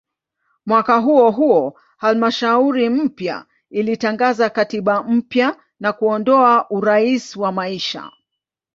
Mwaka huohuo halmashauri mpya ilitangaza katiba mpya na kuondoa "urais wa maisha".